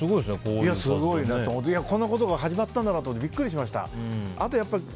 こんなことが始まったんだなってビックリしました。